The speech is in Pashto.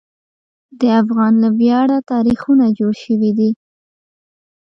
د افغان له ویاړه تاریخونه جوړ شوي دي.